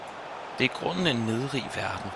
Det er i grunden en nedrig verden